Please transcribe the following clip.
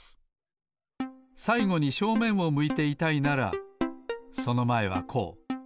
さいごに正面を向いていたいならそのまえはこう。